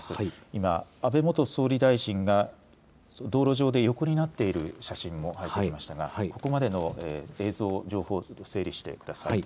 今、安倍元総理大臣が道路上で横になっている写真も入ってきましたがここまでの映像、情報を整理してください。